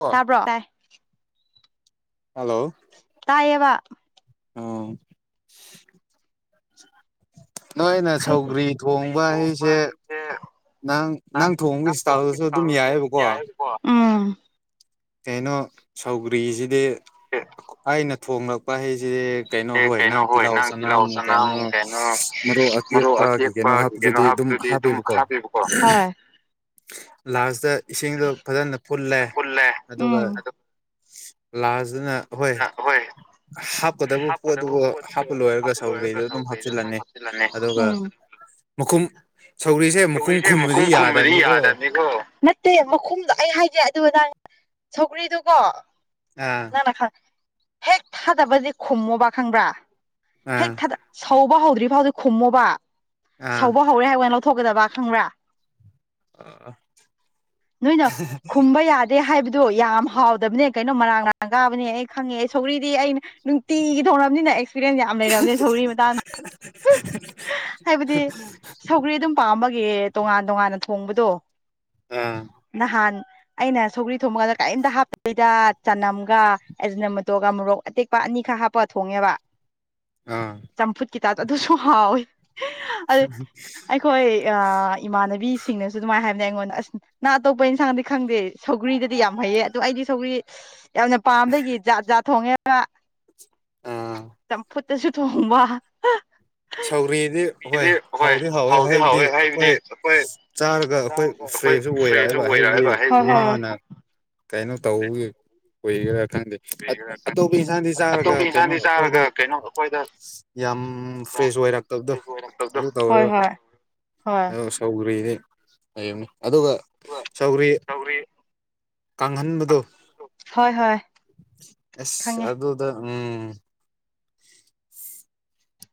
ꯑꯣ ꯇꯥ ꯍꯜꯂꯣ ꯇꯏ ꯑꯥ ꯅꯣꯏꯅ ꯍꯥꯏꯗꯤ ꯁꯧꯒ꯭ꯔꯤ ꯁꯧꯒ꯭ꯔꯤ ꯊꯣꯡꯕ ꯍꯥꯏꯁꯦ ꯊꯣꯡꯕ ꯅꯪ ꯅꯪ ꯊꯣꯡꯕꯒꯤ ꯏꯁꯇꯥꯜꯗꯨꯁꯨ ꯑꯗꯨꯝ ꯌꯥꯏꯑꯕꯀꯣ ꯎꯝ ꯀꯩꯅꯣ ꯁꯧꯒ꯭ꯔꯤꯁꯤꯗꯤ ꯑꯩꯅ ꯊꯣꯡꯂꯛꯄ ꯍꯩꯁꯤꯗꯤ ꯀꯩꯅꯣ ꯍꯣꯏ ꯅꯪ ꯇꯤꯜꯍꯥꯎ ꯆꯥꯅꯝ ꯀꯩꯅꯣ ꯃꯔꯣꯛ ꯑꯇꯦꯛꯄꯒꯤ ꯀꯩꯅꯣ ꯍꯥꯞꯄꯗꯨꯗꯤ ꯑꯗꯨꯝ ꯍꯥꯞꯄꯦꯕꯀꯣ ꯂꯥꯁꯇ ꯏꯁꯤꯡꯗꯣ ꯐꯖꯅꯥ ꯄꯨꯨꯠꯂꯦ ꯄꯨꯜꯂꯦ ꯑꯗꯨꯒ ꯑꯗꯨ ꯂꯥꯁꯇꯗꯅꯥ ꯅꯥ ꯍꯣꯏ ꯍꯥꯞꯀꯗꯕ ꯄꯣꯠꯇꯕꯨ ꯍꯥꯞꯄ ꯂꯣꯏꯔꯒ ꯁꯧꯒ꯭ꯔꯔꯤꯗꯨ ꯑꯗꯨꯝ ꯍꯥꯞꯆꯤꯜꯂꯅꯤ ꯎꯝ ꯃꯈꯨꯝ ꯁꯧꯔꯤꯁꯦ ꯁꯧꯒꯔꯤꯁꯦ ꯃꯈꯨꯝ ꯈꯨꯝꯕꯗꯤ ꯌꯥꯗꯕꯅꯤꯀꯣ ꯇꯦ ꯃꯈꯨꯝꯗꯣ ꯑꯩ ꯍꯥꯏꯒꯦ ꯑꯗꯨꯒꯥ ꯅꯪ ꯁꯧꯒ꯭ꯔꯤꯗꯨꯀꯣ ꯑꯥ ꯅꯪꯅ ꯍꯦꯛ ꯊꯥꯗꯕꯁꯦ ꯈꯨꯝꯃꯣꯕ ꯈꯪꯕ꯭ꯔꯥ ꯍꯦꯛ ꯑꯥ ꯊꯥꯗ ꯁꯧꯕ ꯍꯧꯗ꯭ꯔꯤ ꯐꯥꯎꯗꯤ ꯈꯨꯝꯃꯣꯕ ꯑꯥ ꯁꯧꯕ ꯍꯧꯔꯦ ꯍꯥꯏ ꯂꯧꯊꯣꯛ ꯊꯣꯛꯒꯗꯕꯥ ꯈꯪꯕꯔꯥ ꯑꯥ ꯅꯣꯏꯅ ꯈꯨꯃꯕꯥꯌꯥ ꯗꯦ ꯍꯥꯏꯕꯗꯣ ꯌꯥꯝ ꯍꯥꯎꯗꯕꯅꯦ ꯀꯩꯅꯣ ꯃꯔꯥꯡ ꯃꯔꯥꯡ ꯀꯥꯕꯅꯦ ꯑꯩ ꯈꯪꯉꯦ ꯁꯧꯒꯔ꯭ꯤꯗꯤ ꯑꯩ ꯅꯨꯡꯇꯤꯒꯤ ꯊꯣꯡꯔꯝꯅꯤꯅꯦ ꯑꯩꯁꯦ ꯄꯤꯔꯦꯟ ꯌꯥꯝ ꯂꯩꯔꯕꯅꯦ ꯁꯧꯒꯔꯤ ꯃꯇꯥꯡꯗ ꯍꯥꯏꯕꯗꯤ ꯁꯧꯒꯔꯤ ꯑꯗꯨꯝ ꯄꯥꯝꯕꯒꯤ ꯇꯣꯉꯥꯟ ꯇꯣꯉꯥꯟꯅ ꯊꯣꯡꯕꯗꯣ ꯑꯥ ꯅꯍꯥꯟ ꯑꯩꯅ ꯁꯧꯒ꯭ꯔꯤ ꯊꯣꯡꯕꯀꯥꯟꯗ ꯀꯔꯤꯝꯇꯥ ꯍꯥꯞꯇꯥꯕꯤꯗ ꯆꯅꯝꯒ ꯑꯦꯖꯅꯥꯃꯣꯇꯣꯒꯥ ꯃꯣꯔꯣꯛ ꯑꯇꯦꯛ ꯄꯥ ꯅꯤꯈꯛ ꯍꯥꯞꯄ ꯊꯣꯡꯉꯦꯕ [unintelligible] ꯑꯥ ꯆꯝꯐꯨꯠꯀꯤ ꯇꯥꯏꯞꯇꯥ ꯑꯗꯨꯁꯨ ꯍꯥꯎꯋꯦ ꯑꯩꯈꯣꯏ ꯏꯃꯥꯟꯅꯕꯤꯁꯤꯡꯅꯁꯨ ꯑꯗꯨꯃꯥꯏꯅ ꯍꯥꯏꯕꯅꯦ ꯑꯩꯉꯣꯟꯗ ꯑꯁ ꯅꯪ ꯑꯇꯣꯞꯄ ꯏꯟꯁꯥꯡꯗꯤ ꯈꯪꯗꯦ ꯁꯧꯒ꯭ꯔꯤꯗꯗꯤ ꯌꯥꯝ ꯍꯩꯌꯦ ꯑꯗꯨꯣ ꯑꯩꯗꯤ ꯁꯧꯒ꯭ꯔꯤ ꯌꯥꯝꯅ ꯄꯥꯝꯕꯗꯒꯤ ꯖꯥꯠ ꯖꯥꯠ ꯊꯣꯡꯉꯦ ꯑꯥ ꯆꯝꯐꯨꯠꯇꯁꯨ ꯊꯣꯡꯕꯥ ꯁꯧꯒꯔꯤꯗꯤ ꯍꯣꯏ ꯍꯥꯎꯗꯤ ꯍꯥꯎ ꯋꯦ ꯍꯥꯏꯕꯗꯤ ꯑꯩꯈꯣꯏ ꯆꯥꯔꯒ ꯑꯩꯈꯣꯏ ꯆꯥꯕꯒ ꯐ꯭ꯔꯦꯁꯨ ꯐ꯭ꯔꯦꯁꯁꯨ ꯑꯣꯏꯔꯛꯑꯦꯕ ꯍꯥꯏꯕꯗꯤ ꯑꯣꯏꯔꯛꯑꯒ ꯃꯥꯅ ꯀꯩꯅꯣ ꯇꯧꯕꯒꯤ ꯑꯣꯏꯔꯤꯔꯥ ꯈꯪꯗꯦ ꯑꯇꯣꯞꯄ ꯏꯟꯁꯥꯡꯗꯤ ꯆꯥꯔꯒ ꯑꯇꯣꯞꯄ ꯀꯩꯅꯣ ꯏꯟꯁꯥꯡꯗꯤ ꯑꯩꯈꯣꯏꯗ ꯆꯥꯔꯒ ꯀꯩꯅꯣ ꯑꯩꯈꯣꯏꯗ ꯌꯥꯝ ꯌꯥꯝ ꯐ꯭ꯔꯦꯁ ꯑꯣꯏꯔꯛꯇꯥꯕꯗꯣ ꯐ꯭ꯔꯦꯁ ꯑꯣꯏꯔꯛꯇꯕꯗꯣ ꯑꯗꯨ ꯍꯣꯏ ꯇꯧꯋꯦꯕ ꯍꯣꯏ ꯍꯣꯏ ꯁꯧꯒ꯭ꯔꯤꯗꯤ ꯑꯗꯨꯒ ꯁꯧꯒ꯭ꯔꯤ [unintelligible] ꯀꯥꯡꯍꯟꯕꯗꯣ ꯍꯣꯏ ꯍꯣꯏ ꯑꯁ ꯈꯪꯉꯦ ꯑꯗꯨꯗ ꯎꯝ [unintelligible]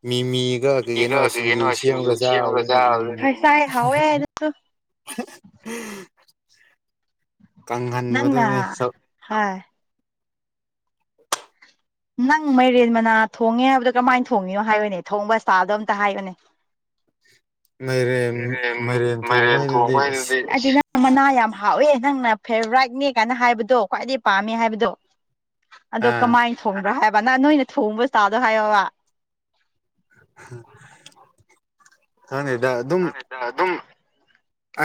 ꯃꯤꯃꯤꯒꯥ ꯀꯩ ꯀꯩꯅꯣ ꯁꯤꯡꯖꯨ ꯁꯦꯝꯃꯒ ꯆꯥꯕꯗꯨꯗꯤ ꯎꯝ [unintelligible] ꯅꯪꯅ ꯀꯪꯍꯟꯕꯗꯨꯅꯤ ꯁꯧ ꯍꯣꯏ ꯅꯪ ꯃꯩꯔꯦꯟ ꯃꯅꯥ ꯊꯣꯡꯉꯦ ꯍꯥꯏꯕꯗꯣ ꯀꯃꯥꯏꯅ ꯊꯣꯡꯉꯤꯅꯣ ꯍꯥꯏꯌꯣꯅꯦ ꯊꯣꯡꯕ ꯏꯁꯇꯥꯜꯗꯣ ꯑꯝꯇ ꯍꯥꯏꯌꯣꯅꯦ ꯃꯥꯏꯔꯦꯟ ꯃꯥꯏꯔꯦꯟ ꯊꯣꯡꯕꯥꯍꯥꯏꯗꯨꯗꯤ ꯃꯅꯥ ꯌꯥꯝ ꯍꯥꯎꯋꯦ ꯅꯪꯅ ꯐꯦꯚꯔꯥꯏꯠꯅꯦ ꯀꯥꯏꯅ ꯍꯥꯏꯕꯗꯣ ꯈ꯭ꯋꯥꯏꯗꯒꯤ ꯄꯥꯝꯃꯦ ꯍꯥꯏꯕꯗꯣ ꯑꯗꯣ ꯑꯥ ꯀꯃꯥꯏꯅ ꯊꯣꯡꯕ꯭ꯔꯥ ꯍꯥꯏꯕ ꯅꯪ ꯅꯣꯏꯅ ꯊꯣꯡꯕ ꯏꯁꯇꯥꯏꯜ ꯗꯣ ꯍꯥꯏꯌꯣꯕ ꯈꯪꯗꯦꯗꯥ ꯑꯗꯨꯝ ꯈꯥꯔꯥ ꯑꯗꯨꯝ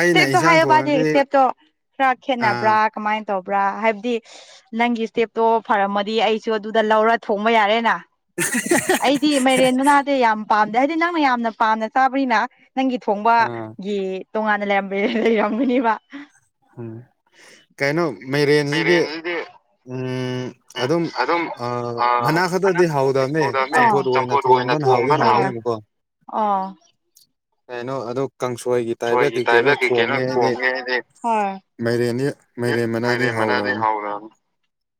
ꯑꯩꯅ ꯁꯇꯦꯞꯇꯣ ꯏꯟꯁꯥꯡ ꯍꯥꯏꯌꯣꯕꯥ ꯊꯣꯡꯉꯗꯤ ꯁꯇꯦꯞꯇꯣ ꯈꯔ ꯑꯥ ꯈꯦꯠꯅꯕ꯭ꯔꯥ ꯀꯃꯥꯏꯅ ꯇꯧꯕ꯭ꯔꯥ ꯍꯥꯏꯕꯗꯤ ꯅꯪꯒꯤ ꯏꯁꯇꯦꯞꯇꯣ ꯐꯔꯝꯃꯗꯤ ꯑꯩꯁꯨ ꯑꯗꯨꯗ ꯂꯧꯔ ꯊꯣꯡꯕ ꯌꯥꯔꯦꯅ [unintelligible] ꯑꯩꯗꯤ ꯃꯥꯏꯔꯦꯟ ꯃꯅꯥꯗꯤ ꯌꯥꯝ ꯄꯥꯝꯗꯦ ꯍꯥꯏꯗꯤ ꯅꯪꯅ ꯌꯥꯝꯅ ꯄꯥꯝꯅ ꯆꯥꯕꯅꯤꯅ ꯅꯪꯒꯤ ꯑꯥ ꯊꯣꯡꯕꯒꯤ ꯇꯣꯉꯥꯟꯅ ꯂꯩꯔ ꯂꯩꯔꯝꯒꯅꯦꯕ ꯎꯝ ꯀꯩꯅꯣ ꯃꯥꯏꯔꯦꯟꯖꯤꯗꯤ ꯃꯥꯏꯔꯦꯟꯁꯤꯗꯤ ꯎꯝ ꯑꯗꯨꯝ ꯑ ꯃꯅꯥ ꯈꯛꯇꯗꯤ ꯃꯁꯤꯡꯗꯤ ꯍꯥꯎꯗꯕꯅꯦ ꯍꯧꯗꯕꯅꯦ ꯆꯝꯐꯨꯠ ꯑꯣꯏꯅ ꯊꯣꯡꯒꯅ ꯍꯥꯎꯏ ꯍꯥꯎꯅꯦꯕꯀꯣ ꯃꯨꯛꯀ ꯑꯥ ꯀꯩꯅꯣ ꯑꯗꯣ ꯀꯥꯡꯁꯣꯏꯒꯤ ꯇꯥꯏꯞꯇ ꯁꯣꯏꯒꯤ ꯇꯥꯏꯕ ꯀꯩ ꯀꯩꯅꯣ ꯊꯣꯡꯒꯦ ꯍꯥꯏꯗꯤ ꯊꯣꯡꯉꯦꯅꯦ ꯑꯦ ꯃꯥꯏꯔꯦꯟ ꯃꯅꯥꯗꯤ ꯍꯥꯎꯔꯝ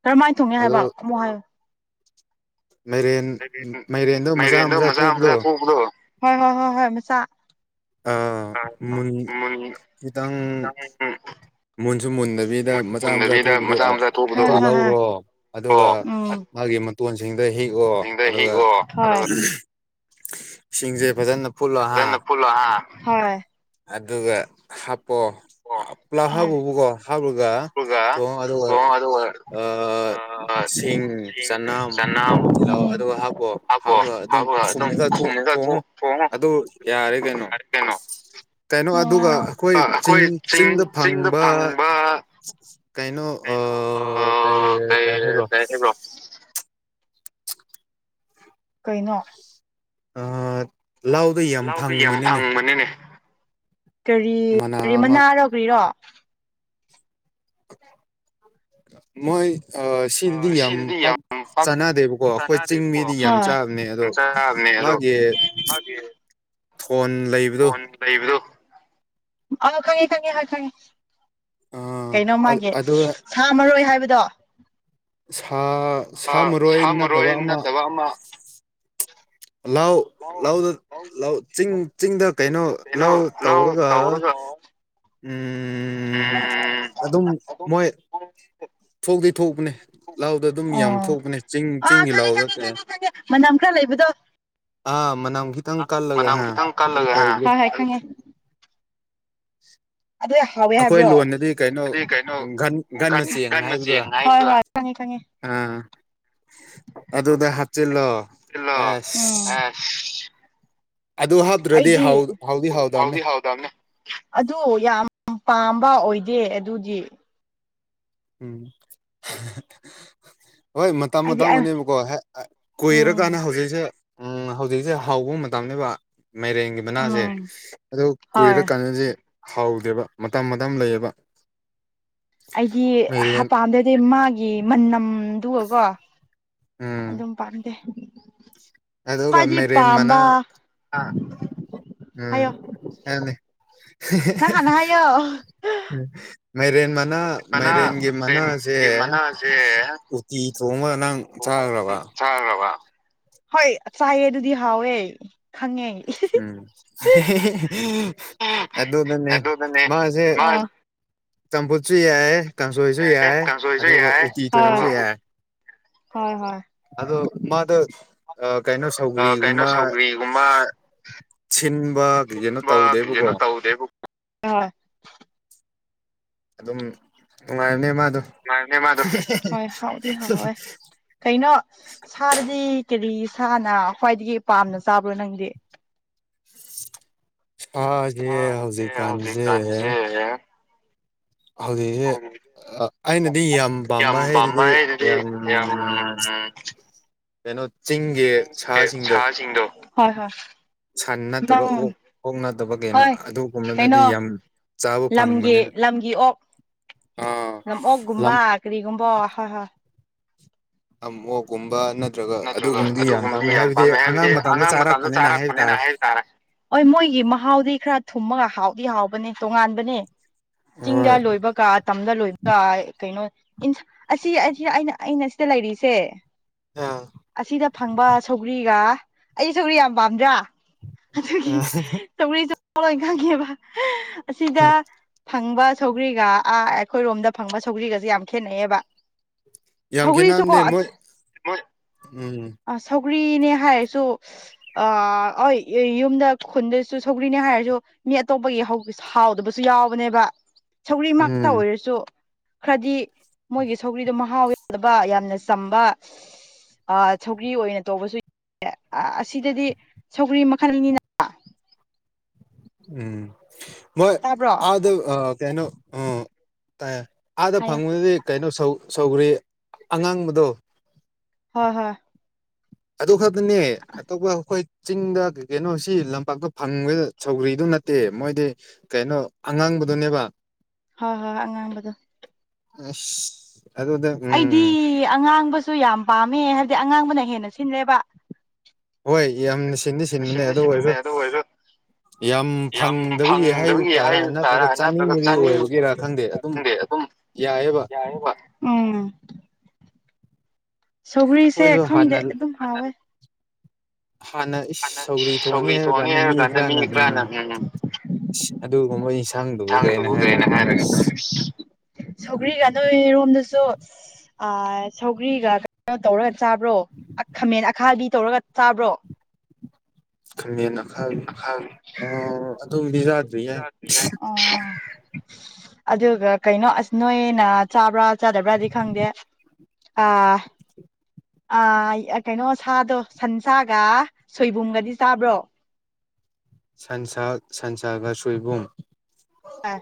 ꯀꯔꯝꯃꯥꯏꯟ ꯊꯣꯡꯏ ꯑꯗꯣ ꯍꯥꯏꯕ ꯈꯨꯝꯃꯨ ꯍꯥꯏꯌꯨ [unintelligible] ꯃꯥꯏꯔꯦꯟꯗꯣ ꯃꯆꯥ ꯃꯆꯥ ꯊꯣꯛꯄꯗꯣ ꯍꯣꯏ ꯍꯣꯏ ꯍꯣꯏ ꯃꯆꯥ ꯑꯥ ꯃꯨꯟ ꯈꯤꯇꯪ [unintelligible] ꯃꯨꯟꯁꯨ ꯃꯨꯟꯗꯕꯤꯗ ꯃꯨꯟꯁꯨ ꯃꯆꯥ ꯃꯆꯥ ꯃꯨꯟꯗꯕꯤꯗ ꯊꯣꯛꯄꯗꯣ ꯑꯥ ꯃꯆꯥ ꯊꯣꯛꯄꯗꯣ ꯑꯗꯨ ꯂꯧꯔꯣ ꯑꯗꯨꯒ ꯑꯣ ꯃꯥꯒꯤ ꯃ ꯇꯣꯟꯁꯤꯡꯗ ꯍꯦꯛꯑꯣ ꯁꯤꯡꯗ ꯑꯗꯨꯒ ꯍꯤꯛꯑꯣ ꯑꯗꯨꯒ ꯏꯁꯤꯡꯁꯦ ꯐꯖꯅ ꯐꯨꯠꯂꯣ ꯔꯅ ꯍꯥ ꯐꯨꯂ ꯍꯥ ꯍ ꯑꯗꯨꯒ ꯍꯥꯞꯄꯣ ꯑ ꯄꯨꯂꯞ ꯍꯥꯞꯕꯨꯕꯀꯣ ꯍꯥꯞꯂꯒ ꯊ ꯑꯗꯨꯒ ꯑꯗꯨꯗ ꯊꯣꯡ ꯑꯗꯨꯒ ꯑ ꯑꯥ ꯁꯤꯡ ꯆꯅꯝ ꯇꯤꯜꯂꯧ ꯑꯗꯨꯒ ꯍꯥꯞꯄꯣ ꯍꯥꯞꯄꯒ ꯑꯗꯨꯝ ꯈꯨꯝꯃꯒ ꯊꯣ-ꯊꯣꯡꯉꯣ ꯑꯗꯨꯗ ꯔꯇꯅꯣ ꯑꯩꯈꯣꯏ ꯆꯤꯡ ꯆꯤꯡꯗ ꯐꯪꯕ ꯀꯥꯏꯅꯣ ꯑ ꯀꯩꯅꯣ ꯀꯥꯏ ꯑꯥ ꯀꯩ ꯀꯥꯏ ꯍꯥꯏꯕ꯭ꯔꯣ ꯀꯩ [inaudible] ꯀꯩꯅꯣ ꯂꯥꯎꯗ ꯌꯥꯝ ꯂꯧꯗ ꯌꯥꯝ ꯐꯪꯕꯅꯤꯅꯦ ꯀꯔꯤ ꯃꯅꯥ ꯀꯔꯤ ꯑꯃ ꯃꯅꯥꯔꯈ꯭ꯔꯤꯔꯣ ꯃꯣꯏ ꯑ ꯁꯤꯗꯗꯤ ꯌꯥꯝ ꯄꯥꯛ ꯆꯥꯅꯗꯦꯕꯀꯣ ꯑꯈꯣꯏ ꯆꯤꯡ-ꯃꯤꯗꯤ ꯌꯥꯝ ꯆꯥꯕꯅꯦ ꯑꯗꯣ ꯆꯕꯅꯦ ꯑꯗꯣ ꯐꯣꯟ ꯂꯩꯕꯗꯨ ꯈꯉ ꯈꯉ ꯍꯥꯏ ꯈꯉ ꯑ ꯀꯩꯅꯣ ꯃꯥꯒꯤ ꯑꯗꯨꯗ ꯁꯥ ꯃꯔꯣꯏ ꯍꯥꯏꯕꯗꯣ ꯁꯥ ꯁꯥ ꯃꯔꯣꯏ ꯅꯠꯇꯕ ꯑꯃ ꯋꯥꯃ ꯂꯑꯣ ꯂꯧꯗ ꯂꯧ ꯆꯤꯡ ꯆꯤꯡꯗ ꯀꯩꯅꯣ ꯂꯧ ꯇꯧꯔꯒ ꯎꯝ ꯎꯝ ꯑꯗꯨꯝ ꯃꯣꯏ ꯊꯣꯛꯗ ꯊꯣꯛꯄꯅꯦ ꯂꯧꯗ ꯑꯗꯨꯝ ꯑꯣ ꯌꯥꯝ ꯊꯣꯛꯄꯅꯦ ꯆꯤꯡ ꯑꯥ ꯆꯤꯡꯒꯤ ꯈꯪꯉꯦ ꯂꯧꯗ ꯈꯪꯉꯦ ꯀꯦ ꯈꯪꯉꯦ ꯈꯪꯉꯦ ꯃꯅꯝ ꯈꯔ ꯂꯩꯕꯗꯣ ꯑꯥ ꯃꯅꯝ ꯈꯤꯇꯪ ꯀꯜꯂꯒ ꯍꯥꯏ ꯑꯗꯨ ꯇꯧꯒꯦ ꯍꯥꯏꯥꯏꯈꯪꯉꯦ ꯑꯗꯨꯗ ꯐꯥꯎꯋꯦ ꯑꯩꯈꯣꯏ ꯍꯥꯏꯕ꯭ꯔꯣ ꯂꯣꯟꯗꯗꯤ ꯀꯩꯅꯣ ꯑꯗꯨ ꯀꯩꯅꯣ ꯒꯟ ꯒꯟ ꯒꯟ ꯃꯆꯦꯡ ꯍꯣꯢ ꯈꯪꯉꯦ ꯈꯪꯉꯦ꯫ ꯑ ꯑꯗꯨꯗ ꯍꯥꯞꯆꯤꯜꯂꯣ ꯇꯤꯜꯂꯣ ꯑꯦꯁ ꯑꯁ ꯍꯥꯎ ꯍꯥꯎꯗꯕꯅꯦ ꯍꯥꯎꯗꯤ ꯍꯥꯎꯗꯝꯅ ꯑꯗꯨ ꯌꯥꯝ ꯄꯥꯝꯕ ꯑꯣꯏꯗꯦ ꯑꯗꯨꯗꯤ ꯎꯝ ꯍꯣꯏ ꯃꯇꯝ ꯍꯥꯏꯗꯤ ꯃꯇꯥꯡ ꯑꯩ ꯑꯣꯏꯕꯀꯣ ꯀꯣꯏꯔꯀꯥꯟꯗ ꯎꯝ ꯍꯧꯖꯤꯛꯁꯦ ꯎꯝ ꯍꯧꯖꯤꯛꯁꯦ ꯍꯧꯕ ꯃꯇꯝꯅꯦꯕ ꯃꯥꯏꯔꯦꯡꯒꯤ ꯃꯕꯅꯥꯁꯦ ꯎꯝ ꯑ ꯍꯣꯏ ꯀꯨꯏꯔ ꯀꯥꯟꯗꯁꯦ ꯍꯥꯎꯗꯦꯕ ꯃꯇꯝ ꯃꯇꯝ ꯂꯩꯌꯦꯕ ꯑꯩꯒꯤ ꯍꯥ ꯃꯥꯏꯔꯦꯟ ꯄꯥꯝꯗꯗꯤ ꯃꯥꯒꯤ ꯃꯅꯝꯗꯨꯒꯒꯣ ꯎꯝ ꯑꯗꯨꯝ ꯄꯥꯝꯗꯦ ꯑꯗꯨꯒ ꯍꯥꯏꯗꯤ ꯃꯥꯏꯔꯦꯟ ꯃꯅꯥ ꯄꯥꯝꯕ ꯎꯝ ꯍꯥꯏꯌꯣ ꯑꯅꯦ ꯅꯪ ꯍꯥꯟꯅ ꯍꯥꯏꯌꯣ ꯃꯥꯏꯔꯦꯟ ꯃ ꯃꯅꯥ ꯃꯥꯏꯔꯦꯟꯒꯤ ꯃꯅꯥꯁꯦ ꯃꯥꯏꯔꯦꯟꯒꯤ ꯃꯅꯥꯁꯦ ꯇꯤ ꯊꯣꯡꯉꯒ ꯅꯪ ꯊꯣꯡꯉꯒ ꯆꯥꯔꯨꯔꯕ ꯍꯣꯏ ꯆꯥꯏꯌꯦ ꯑꯗꯨꯗꯤ ꯍꯥꯎꯋꯦ ꯈꯪꯉꯦ ꯎꯝ ꯑꯗꯨ ꯑꯗꯨꯣꯗ ꯑꯗꯨꯗꯅꯦ ꯃꯥꯁꯦ ꯃꯥꯁꯨ ꯇꯝꯄꯨꯁꯨ ꯌꯥꯏ ꯀꯥꯡꯁꯣꯏꯁꯨ ꯌꯥꯏ ꯀꯥꯡꯁꯣꯏꯁꯨ ꯑꯗꯨꯒ ꯌꯥꯏ ꯎꯇꯤ ꯍꯣꯏ ꯊꯣꯡꯕꯁꯨ ꯌꯥꯏ ꯍꯣꯏ ꯍꯣꯏ ꯑꯗ ꯃꯥ ꯑꯗꯨ ꯑ ꯀꯩꯅꯩꯅꯣ ꯀꯩꯅꯣ ꯁꯤꯟꯕ ꯀꯩ ꯀꯩꯅꯣ ꯁꯧꯒ꯭ꯔꯤꯒꯨꯝꯕꯨꯝꯕ ꯇꯧꯗꯦꯕꯀꯣ ꯀꯩꯖꯅꯣ ꯇꯧꯗꯦꯕꯨ ꯑ ꯑꯗꯨꯝ ꯅꯨꯡꯉꯥꯏꯔꯅꯦ ꯃꯥꯗꯣ ꯍ ꯍ ꯍꯣꯏ ꯀꯩꯅꯣ ꯁꯥꯗꯗꯤ ꯀꯔꯤ ꯁꯥꯅ ꯈ꯭ꯋꯥꯏꯗꯒꯤ ꯄꯥꯝꯅ ꯆꯥꯕ꯭ꯔꯣ ꯅꯪꯗꯤ ꯑꯁꯦ ꯍꯧꯖꯤꯛꯀꯥꯟꯁꯦ ꯍꯧꯗꯤ ꯑꯩꯅꯗꯤ ꯌꯥꯝ ꯄꯥꯝꯕ ꯍꯥꯏꯗꯨꯗꯤ ꯌꯥꯝ ꯀꯩꯅꯣ ꯆꯤꯡꯒꯤ ꯆꯤꯡꯒꯤ ꯁꯥꯁꯤꯡꯗꯣ ꯍꯣꯏ ꯍꯣꯏ ꯁꯟ ꯅꯠꯇꯕ ꯑꯣꯛ ꯅꯪ ꯑꯣꯣꯛ ꯅꯠꯇꯕ ꯀꯩꯅꯣ ꯍꯣꯏ ꯑꯗꯨꯒꯨꯝꯕꯗꯗꯤ ꯀꯩꯅꯣ ꯌꯥꯝ ꯆꯥꯕ ꯂꯝꯒꯤ ꯐꯪꯕꯅꯤꯅ ꯂꯝꯒꯤ ꯑꯣꯛ ꯑꯥ ꯂꯝ ꯂꯝ ꯑꯣꯛꯀꯨꯝꯕ ꯀꯔꯤꯒꯨꯝꯕ ꯍꯥ ꯍꯥꯥ ꯅꯠꯇ꯭ꯔꯒ ꯑꯗꯨꯒꯨꯝꯕꯗꯤ ꯌꯥꯝ ꯄꯥꯝꯃꯦ ꯍꯥꯏꯕꯗꯤ ꯑꯉꯥꯡ ꯃꯇꯗ ꯆꯥꯔꯛꯄꯅꯦꯅ ꯍꯥꯏ ꯍꯣꯏ ꯃꯣꯏꯒꯤ ꯃꯍꯥꯎꯗꯤ ꯈꯔ ꯊꯨꯝꯃꯒ ꯍꯥꯎꯗꯤ ꯍꯥꯎꯕꯅꯦ ꯇꯣꯉꯥꯟꯕꯅꯦ ꯆꯤꯡꯗ ꯍꯣꯏ ꯂꯣꯏꯕꯒ ꯇꯝꯗ ꯂꯣꯏꯕꯒ ꯀꯩꯅꯣ ꯑꯁꯤ ꯑꯁꯤ ꯑ ꯑꯩꯅ ꯁꯤꯗ ꯂꯩꯔꯤꯁꯦ ꯑꯥ ꯑꯁꯤꯗ ꯐꯪꯕ ꯁꯧꯒ꯭ꯔꯤꯒ ꯑꯩ ꯁꯧꯒ꯭ꯔꯤ ꯌꯥꯝ ꯄꯥꯝꯗ꯭ꯔꯥ ꯑꯗꯨꯒꯤ ꯆꯔꯤ ꯆ ꯂ ꯈꯪꯉꯦꯕ ꯑꯁꯤꯗ ꯐꯪꯕ ꯁꯧꯒ꯭ꯔꯤꯒ ꯑꯥ ꯑꯩꯈꯣꯏꯔꯣꯝꯗ ꯐꯪꯕ ꯁꯧꯒ꯭ꯔꯤꯒꯁꯦ ꯌꯥꯝ ꯈꯦꯠꯅꯩꯌꯦꯕ ꯌꯥꯝ ꯁꯧꯒ꯭ꯔꯤꯁꯨꯀꯣ ꯈꯦꯠꯅꯕꯝꯅꯦ ꯃꯣꯏ ꯃꯣꯏ ꯎꯝ ꯑ ꯁꯧꯒ꯭ꯔꯤꯅꯦ ꯍꯥꯏꯔꯁꯨ ꯑ ꯍ ꯌꯨꯝꯗ ꯈꯨꯟꯗꯁꯨ ꯁꯧꯒ꯭ꯔꯤꯅꯦ ꯍꯥꯏꯔꯁꯨ ꯃꯤ ꯑꯇꯣꯞꯄꯒꯤ ꯍꯥꯎꯗꯕꯁꯨ ꯌꯥꯎꯕꯅꯦꯕ ꯁꯧꯒ꯭ꯔꯤ ꯉꯛꯇ ꯎꯝ ꯑꯣꯏꯔꯁꯨ ꯈꯔꯗꯤ ꯃꯣꯏꯒꯤ ꯁꯧꯒ꯭ꯔꯤꯗꯣ ꯃꯍꯥꯎꯋꯦ ꯕ ꯌꯥꯝꯅ ꯆꯝꯕ ꯁꯧꯒ꯭ꯔꯤ ꯑꯣꯏꯅ ꯇꯧꯕꯁꯨ ꯌꯥ ꯑꯁꯤꯗꯗꯤ ꯁꯧꯒ꯭ꯔꯤ ꯃꯈꯜꯅꯤꯅ ꯎꯝ ꯃꯣꯏ ꯇꯥꯕ꯭ꯔꯣ ꯑꯗ ꯀꯩꯅꯣ ꯑ ꯇꯥꯏ ꯑꯥꯗ ꯍꯥꯏꯌꯣ ꯐꯪꯕꯗꯗꯤ ꯀꯩꯅꯣꯧ ꯁꯧꯈ꯭ꯔꯤ ꯑꯉꯥꯡꯕꯗꯣ ꯍꯣꯏ ꯍꯣꯏ ꯑꯗꯨ ꯈꯛꯇꯅꯦ ꯑꯇꯣꯞꯄ ꯑꯩꯈꯣꯏ ꯆꯤꯡꯗ ꯀꯩꯅꯣꯁꯤ ꯂꯝꯄꯥꯛꯇ ꯐꯪꯕꯗ ꯁꯧꯒ꯭ꯔꯤꯗꯨ ꯅꯠꯇꯦ ꯃꯣꯏꯗꯤ ꯀꯩꯅꯣ ꯑꯉꯥꯡꯕꯗꯨꯅꯦꯕ ꯍꯣꯏ ꯍꯣꯏ ꯑꯉꯥꯡꯕꯗ ꯑ ꯑꯩꯗꯤ ꯑꯉꯥꯡꯕꯁꯨ ꯌꯥꯝ ꯄꯥꯝꯃꯦ ꯍꯥꯏꯕꯗꯤ ꯑꯉꯥꯡꯕꯅ ꯍꯦꯟꯅ ꯁꯤꯜꯂꯦꯕ ꯍꯣꯏ ꯌꯥꯝꯅ ꯁꯤꯟꯗꯤ ꯁꯤꯟꯕꯅꯦ ꯑꯗꯨ ꯑꯣꯏꯔꯁꯨ ꯌꯥꯝ ꯐꯪꯗꯕꯒꯤ ꯍꯥꯏꯕ ꯇꯔꯥ ꯅꯠꯇ꯭ꯔꯒ ꯆꯥꯅꯤꯡꯕꯒꯤ ꯑꯣꯏꯕꯒꯤꯔꯥ ꯈꯪꯗꯦ ꯑꯗꯨꯝ ꯌꯥꯏꯑꯦꯕ ꯌꯥꯏꯦꯕ ꯎꯝ ꯁꯧꯒ꯭ꯔꯤꯁꯦ ꯑꯩꯈꯣꯏꯁꯨ ꯈꯪꯗꯦ ꯍꯥꯟꯅ ꯑꯗꯨꯝ ꯍꯥꯎꯋꯦ ꯍꯥꯟꯅ ꯁꯧꯒ꯭ꯔꯤ ꯊꯣꯡꯑꯅꯤ ꯍꯥꯏꯔ ꯀꯥꯟꯗ ꯃꯤ ꯈꯔꯅ ꯎꯝ ꯎꯝ ꯑꯗꯨꯒꯨꯝꯕ ꯌꯦꯟꯁꯥꯡꯗꯨꯕꯨ ꯀꯩꯅ ꯍꯥꯏꯔꯒ ꯅꯪ ꯁꯧꯒ꯭ꯔꯤꯒ ꯑꯗꯨ ꯌꯝꯗꯁꯨ ꯑ ꯁꯧꯒ꯭ꯔꯤꯒ ꯀꯩꯅꯣ ꯇꯧꯔꯒ ꯆꯥꯕ꯭ꯔꯣ ꯈꯥꯃꯦꯟ ꯑꯈꯥꯕꯤ ꯇꯧꯔꯒ ꯆꯥꯕ꯭ꯔꯣ ꯈꯃꯦꯟ ꯑꯈꯕꯤ ꯑꯈꯥꯕꯤ ꯑ ꯑꯗꯨꯝꯗꯤ ꯌꯥꯗ꯭ꯔꯤ ꯌꯥꯏ ꯑꯣ ꯑꯣ [inaudible] ꯑꯗꯨꯒ ꯀꯩꯅꯣ ꯑꯁ ꯅꯣꯏꯅ ꯆꯥꯕ꯭ꯔꯥ ꯆꯥꯗꯕ꯭ꯔꯥꯗꯤ ꯈꯪꯗꯦ ꯑꯥ ꯑ ꯀꯩꯅꯣ ꯁꯥꯗꯣ ꯁꯟꯁꯥꯒ ꯁꯣꯏꯕꯨꯝꯒꯗꯤ ꯆꯥꯕ꯭ꯔꯣ ꯁꯟꯁꯥ ꯁꯟꯁꯥꯒ ꯁꯣꯏꯕꯨꯝ ꯑ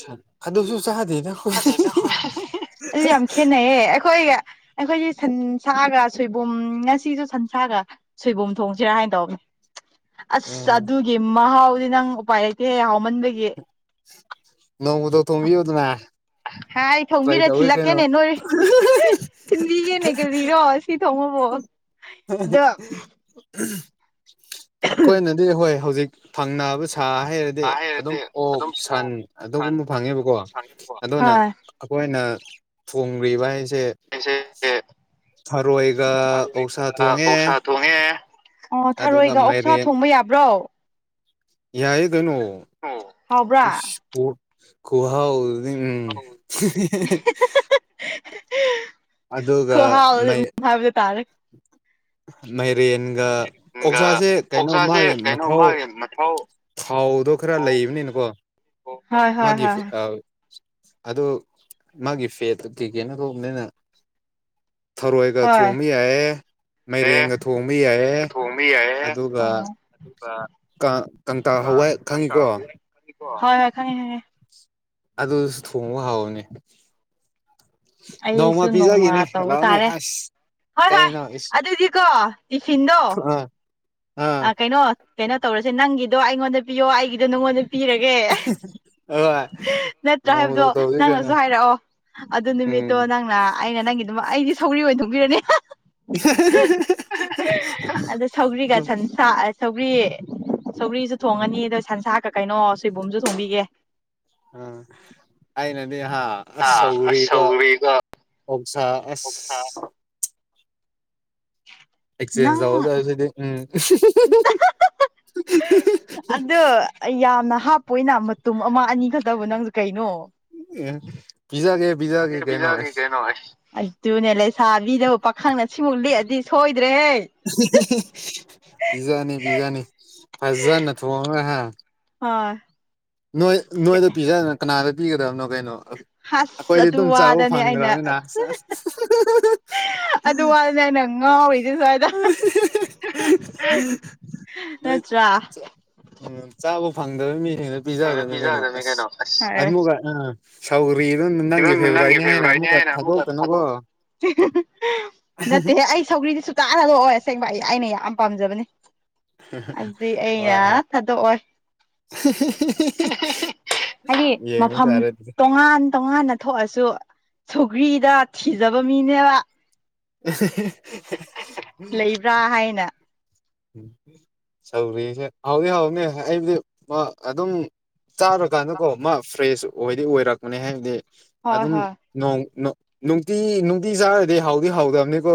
ꯁꯟ ꯑꯗꯨꯁꯨ ꯆꯥꯗꯦꯗ [inaudible] ꯑꯩꯈꯣꯏ ꯑꯗꯨ ꯌꯥꯝ ꯈꯦꯠꯅꯩꯌꯦ ꯑꯩꯈꯣꯏꯒ ꯑꯩꯈꯣꯏꯗꯤ ꯁꯟꯁꯥꯒ ꯁꯣꯏꯕꯨꯝ ꯉꯁꯤꯁꯨ ꯁꯟꯁꯥꯒ ꯁꯣꯏꯕꯨꯝ ꯊꯣꯡꯁꯤꯔꯥ ꯍꯥꯏꯅ ꯇꯧꯕꯅꯤ ꯑꯁ ꯎꯝ ꯑꯗꯨꯒꯤ ꯃꯍꯥꯎꯗꯤ ꯅꯪ ꯎꯄꯥꯏ ꯂꯩꯇꯦꯍꯦ ꯍꯥꯎꯃꯥꯟꯕꯒꯤ ꯅꯧꯗꯧ ꯊꯣꯡꯕꯤ ꯌꯨ ꯗꯥꯅ ꯍꯥꯏ ꯊꯣꯡꯕꯤꯔꯥ ꯊꯤꯜꯂꯛꯀꯦꯅꯦ ꯅꯣꯏ ꯊꯜꯕꯤꯒꯦꯅꯦ ꯀꯔꯤꯔꯣ ꯇꯤ ꯇꯣꯡꯕꯕꯣ ꯑꯗꯣ ꯑꯩꯈꯣꯏꯅꯗꯤ ꯍꯣꯏ ꯍꯧꯖꯤꯛ ꯐꯪꯅꯕ ꯁꯥ ꯍꯥꯏꯔꯗꯤ ꯗꯤ ꯑꯗꯨꯝ ꯑꯣꯛ ꯑꯗꯨꯝ ꯁꯟ ꯁꯣ ꯁꯟ ꯑꯗꯨꯒꯨꯝꯕ ꯑꯗꯨꯝ ꯐꯪꯉꯦꯕꯀꯣ ꯁꯥꯡꯉꯦꯕꯀꯣ ꯑꯗꯨꯅ ꯍꯣꯏ ꯑꯩꯈꯣꯏꯅ ꯊꯣꯡꯔꯤꯕ ꯍꯥꯏꯁꯦ [unintelligible] ꯉꯦ ꯊꯔꯣꯏꯒ ꯑꯣꯛꯁꯥ ꯊꯣꯡꯉꯦ ꯑꯣ ꯑꯗꯨꯒ ꯊꯥꯔꯣꯏꯒ ꯑꯣꯛꯁꯥ ꯃꯥꯏꯔꯦꯟ ꯊꯣꯡꯕ ꯌꯥꯕ꯭ꯔꯣ ꯌꯥꯌꯦꯀꯦꯅꯣ ꯑꯣ ꯏꯁ ꯀꯣꯠ ꯈꯨꯍꯥꯑꯣꯗꯤ ꯎꯝ ꯑꯗꯨꯒ ꯈꯨꯍꯥꯑꯣꯗꯤ ꯃꯩ ꯎꯝ ꯍꯥꯏꯗꯣ ꯇꯥꯔꯦ ꯃꯥꯏꯔꯦꯟꯒ ꯑꯣꯛꯁꯥꯁꯦ ꯀꯩꯅꯣ ꯃꯥꯒꯤ ꯃꯊꯧ ꯃꯊꯧ ꯊꯥꯎꯗꯣ ꯈꯔ ꯂꯩꯕꯅꯤꯅꯀꯣ ꯑꯣ ꯍꯣꯏ ꯍꯣꯏ ꯃꯥꯒꯤ ꯑ ꯍꯣꯏ ꯑꯗꯨ ꯃꯥꯒꯤ ꯐꯦꯠꯇ ꯀꯩꯀꯦꯅ ꯊꯣꯛꯕꯅꯤꯅ ꯊꯔꯣꯏ ꯒ ꯍꯣꯏ ꯊꯣꯡꯕ ꯌꯥꯏꯌꯦ ꯑꯦ ꯃꯥꯏꯔꯦꯟ ꯒꯥ ꯊꯣꯡꯕ ꯌꯥꯏꯑ ꯑꯗꯨꯒ ꯑꯥ ꯀꯪ ꯀꯪꯇꯥꯛ ꯍꯋꯥꯏ ꯈꯪꯉꯤ ꯀꯣ ꯍꯣꯏ ꯍꯣꯏ ꯈꯪꯉꯦ ꯈꯪꯉꯦ ꯑꯗꯨꯁꯨ ꯊꯣꯡꯕ ꯍꯥꯎ ꯕꯅꯦ ꯅꯣꯡ ꯃ ꯑꯩꯁꯨ ꯅꯣꯡꯃ ꯄꯤꯖꯥꯒꯤꯅꯦ ꯇꯧꯕ ꯂꯛꯑꯣꯅꯦ ꯇꯥꯔꯦ ꯑꯁ ꯍꯣꯏ ꯍꯣꯏ ꯀꯩꯅꯣ ꯏꯁ ꯑꯗꯨꯗꯤꯀꯣ ꯇꯤꯐꯤꯟ ꯗꯣ ꯑꯥ ꯑꯥ ꯑ ꯀꯩꯅꯣ ꯀꯩꯅꯣ ꯇꯧꯔꯁꯦ ꯅꯪꯒꯤꯗꯣ ꯑꯩꯉꯣꯟꯗ ꯄꯤꯌꯣ ꯑꯩꯒꯤꯗꯣ ꯅꯪꯉꯣꯟ ꯗ ꯄꯤꯔꯒꯦ ꯍꯣꯏ ꯅꯠꯇ꯭ꯔꯥ ꯍꯥꯏꯕꯗꯣ ꯅꯣꯡꯃꯗꯣ ꯇꯧꯁꯤ ꯅꯪꯅꯁꯨ ꯀꯩꯅꯣ ꯍꯥꯏꯔꯛ ꯑꯣ ꯑꯗꯨ ꯅꯤꯃꯤꯠꯇꯣ ꯎꯝ ꯅꯪꯅ ꯑꯩꯅ ꯅꯪꯒꯤ ꯑꯩꯗꯤ ꯁꯧꯒ꯭ꯔꯤ ꯑꯣꯏꯅ ꯊꯣꯡꯕꯤꯔꯅꯦ ꯑꯗꯣ ꯁꯧꯒ꯭ꯔꯤꯒ ꯁꯥ ꯑ ꯁꯧꯒ꯭ꯔꯤ ꯁꯧꯒ꯭ꯔꯤꯁꯨ ꯊꯣꯡꯉꯅꯤ ꯑꯗꯣ ꯁꯟꯁꯥ ꯀ ꯀꯩꯅꯣ ꯁꯣꯏꯕꯨꯝꯁꯨ ꯊꯣꯡꯕꯤꯒꯦ ꯑ ꯑꯩꯅꯗꯤ ꯍꯥ ꯑꯁ ꯑ ꯁꯧꯒꯔꯤꯒ ꯁꯧꯒ꯭ꯔꯤꯒ ꯑꯣꯛ ꯁꯥ ꯑꯣꯛꯁꯥ ꯑꯁ ꯑꯦꯛꯆꯦꯟꯖ ꯇꯧꯒ ꯅꯪ ꯗꯧꯕ ꯁꯤꯗꯤ ꯎꯝ ꯑꯩ ꯌꯥꯝꯅ ꯍꯥꯞ ꯄꯣꯏꯅ ꯃꯇꯨꯝ ꯑꯃ ꯑꯅꯤ ꯈꯛꯇꯕꯨ ꯅꯪꯁꯨ ꯀꯩꯅꯣ ꯑ ꯄꯤꯖꯥꯅꯤ ꯄꯤꯖ ꯒꯦ ꯀꯩꯅꯣ ꯍꯥꯏ ꯇꯨꯅꯦ ꯂꯩꯁꯥꯕꯤꯗꯕꯨ ꯄꯥꯈꯪꯅ ꯁꯤꯡ ꯃꯨꯛ ꯂꯤꯑꯗꯤ ꯁꯣꯏꯗ꯭ꯔꯦꯍꯦ ꯄꯤꯖꯥꯅꯤ ꯄꯤꯖꯥꯅꯤ ꯐꯖꯅ ꯊꯣꯡꯉꯅ ꯍꯥꯏ ꯍꯣꯏ ꯅꯣꯏ ꯅꯣꯏꯗ ꯄꯤꯖꯗꯅ ꯀꯅꯥꯗ ꯄꯤꯒꯗꯕꯅꯣ ꯀꯩꯅꯣ ꯍꯁ ꯑꯩꯈꯣꯏꯗꯤ ꯑꯗꯨ ꯑꯗꯨꯝ ꯆꯥꯕ ꯋꯥꯗꯅꯦ ꯑꯩꯅ ꯐꯪꯈ꯭ꯔ ꯕꯅꯤꯅ [inaudible] ꯑꯗꯨ ꯋꯥꯗꯅꯦ ꯑꯩꯅ ꯉꯥꯎꯔꯤꯁꯦ ꯁ꯭ꯋꯥꯏꯗ ꯅ ꯇ꯭ꯔꯥ ꯎꯝ ꯆꯥꯕ ꯐꯪꯗꯕ ꯃꯤꯁꯤꯡꯅ ꯄꯤꯖ ꯒꯗꯕꯅꯤ ꯀꯩꯅꯣ ꯄꯤꯖꯒꯗꯕꯅꯤ ꯑꯁ ꯑꯁ ꯑꯗꯨꯀ ꯎꯝ ꯁꯧꯒ꯭ꯔꯤꯗꯣ ꯑꯗꯨꯝ ꯅꯪꯒꯤ ꯐꯦꯕꯣꯔꯥꯏꯠꯅꯤ ꯍꯥꯏꯅ ꯑꯃꯨꯛꯀ ꯊꯥꯗꯣꯛꯇꯅꯀꯣ ꯅꯠꯇꯦꯍꯦ ꯑꯩ ꯁꯧꯔꯤꯗꯤ ꯆꯥꯅꯗꯣꯑꯣ ꯑꯁꯦꯡꯕ ꯑꯩ ꯑꯩꯅ ꯌꯥꯝ ꯄꯥꯝꯖ ꯕꯅꯤ ꯑꯗꯨꯗꯤ ꯑꯩꯅ ꯍꯣꯏ ꯍꯣꯏ ꯊꯥꯗꯣꯛ ꯑꯣꯏ ꯍꯥꯏ ꯗꯤ ꯌꯦꯡꯕ ꯃꯐꯝ ꯇꯥꯔꯦ ꯑꯗꯨꯗꯤ ꯇꯣꯉꯥꯟ ꯇꯣꯉꯥꯟꯅ ꯊꯣꯛꯑꯁꯨ ꯁꯨꯒ꯭ꯔꯤ ꯗ ꯊꯤꯖꯕ ꯃꯤꯅꯦꯕ [inaudible] ꯂꯩꯕ꯭ꯔꯥ ꯍꯥꯏ ꯅ ꯁꯧꯔꯤꯁꯦ ꯍꯥꯎꯅꯤ ꯍꯥꯎꯅꯤ ꯍꯥꯏꯕ ꯗꯤ ꯑꯗꯨꯝ ꯆꯥꯔꯀꯥꯟꯗ ꯀꯣ ꯃꯥ ꯐ꯭ꯔꯦꯁ ꯑꯣꯏꯗꯤ ꯑꯣꯏꯔꯛꯄꯅꯦ ꯍꯥꯏꯕꯗꯤ ꯍꯣꯏ ꯑꯗꯨꯝ ꯍꯣꯏ ꯅꯣꯡ ꯅꯣꯡ ꯅꯨꯡꯇꯤ ꯅꯨꯡꯇꯤ ꯆꯥꯔꯗꯤ ꯍꯥꯎꯗꯤ ꯍꯥꯎꯗꯕꯅꯤꯀꯣ